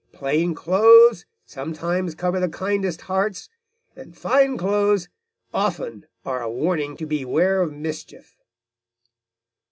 Plain clothes sometimes cover the kindest hearts, and fine clothes often are a warning to beware of mischief."